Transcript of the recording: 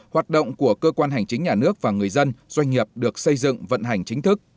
hoạt động của cơ quan hành chính nhà nước và người dân doanh nghiệp được xây dựng vận hành chính thức